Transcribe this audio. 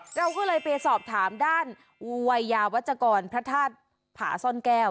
เราก็เลยไปสอบถามด้านอววัยยาวัชกรพระธาตุผาซ่อนแก้ว